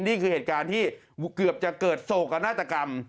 นี่คือเหตุการณ์ที่เกือบจะเกิดโศกนาฏกรรม